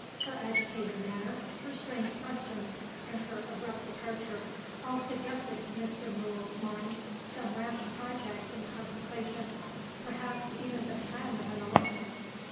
Her agitated manner, her strange questions, and her abrupt departure, all suggested to Mr. Mool's mind some rash project in contemplation perhaps even the plan of an elopement.